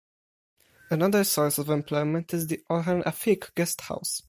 Another source of employment is the Orhan Afik guesthouse.